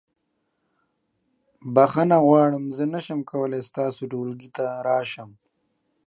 بخښنه غواړم زه نشم کولی ستاسو ټولګي ته راشم.